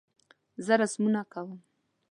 زه رسمونه کوم